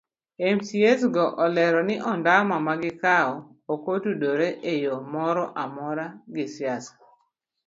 Mcas go olero ni ondamo magikawo ok otudore eyo moro amora gi siasa.